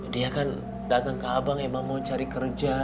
dia kan datang ke abang emang mau cari kerja